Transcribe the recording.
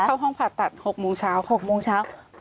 เข้าห้องผ่าตัด๖โมงเช้า